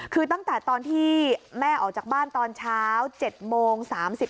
คือตั้งแต่ตอนที่แม่ออกจากบ้านตอนเช้า๗โมง๓๕